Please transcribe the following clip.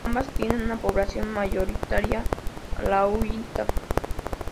Ambas tienen una poblacion mayoritariamente alauita.